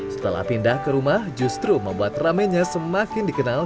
setelah pindah ke rumah justru membuat ramennya semakin dikenal